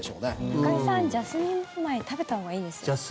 中居さん、ジャスミン米食べたほうがいいですよ。